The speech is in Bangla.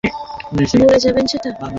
শয়তানের অবতার সে, ভুলে যাবেন না সেটা!